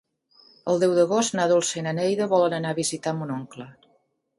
El deu d'agost na Dolça i na Neida volen anar a visitar mon oncle.